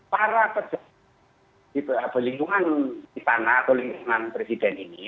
para pejabat di lingkungan istana atau lingkungan presiden ini